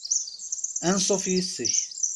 Anṣuf yes-k.